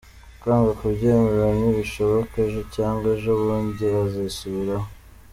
Kwanga kubyemera: ‘Ntibishoboka! Ejo cyangwa ejo bundi azisubiraho.